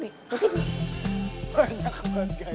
banyak banget gaya